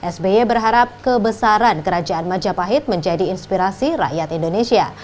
sby berharap kebesaran kerajaan majapahit menjadi inspirasi rakyat indonesia